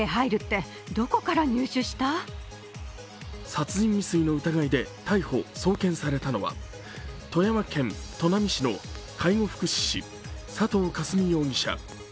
殺人未遂の疑いで逮捕・送検されたのは富山県砺波市の介護福祉士佐藤果純容疑者。